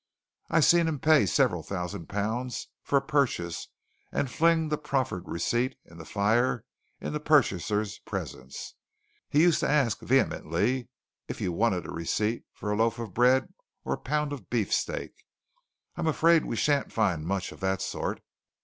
I've seen him pay several thousand pounds for a purchase and fling the proffered receipt in the fire in the purchaser's presence. He used to ask vehemently! if you wanted receipts for a loaf of bread or a pound of beef steak. I'm afraid we shan't find much of that sort.